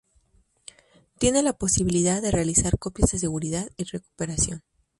Tiene la posibilidad de realizar copias de seguridad y recuperación.